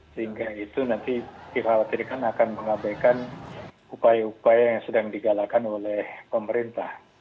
sehingga itu nanti dikhawatirkan akan mengabaikan upaya upaya yang sedang digalakan oleh pemerintah